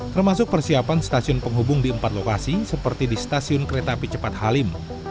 termasuk persiapan stasiun penghubung di empat lokasi seperti di stasiun kereta api cepat halim